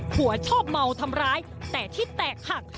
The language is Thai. ชอบเมาทำร้ายแต่ที่แตกหัก